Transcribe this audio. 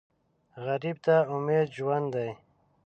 غریب ته امید ژوند دی